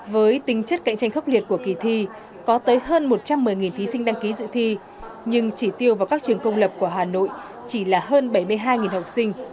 với tính chất cạnh tranh khốc liệt của kỳ thi có tới hơn một trăm một mươi thí sinh đăng ký dự thi nhưng chỉ tiêu vào các trường công lập của hà nội chỉ là hơn bảy mươi hai học sinh